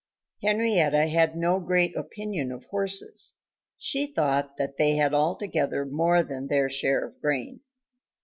Henrietta had no great opinion of horses. She thought that they had altogether more than their share of grain.